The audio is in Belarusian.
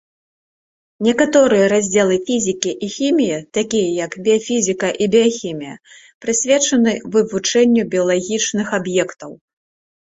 Некаторыя раздзелы фізікі і хіміі, такія як біяфізіка і біяхімія прысвечаны вывучэнню біялагічных аб'ектаў.